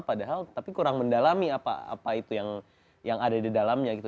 padahal tapi kurang mendalami apa itu yang ada di dalamnya gitu